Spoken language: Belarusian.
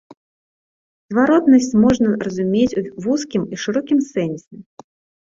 Зваротнасць можна разумець у вузкім і шырокім сэнсе.